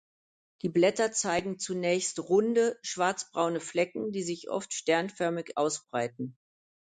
Die Blätter zeigen zunächst runde, schwarzbraune Flecken, die sich oft sternförmig ausbreiten.